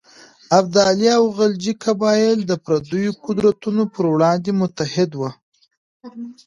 ابدالي او غلجي قبایل د پرديو قدرتونو پر وړاندې متحد وو.